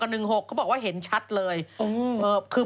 ปลาหมึกแท้เต่าทองอร่อยทั้งชนิดเส้นบดเต็มตัว